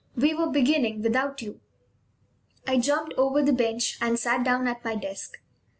We were beginning without you." I jumped over the bench and sat down at my desk.